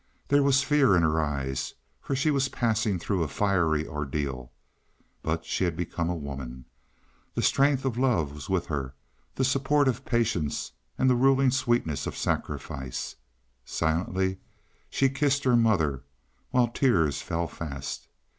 There was fear in her eyes, for she was passing through a fiery ordeal, but she had become a woman. The strength of love was with her, the support of patience and the ruling sweetness of sacrifice. Silently she kissed her mother, while tears fell fast.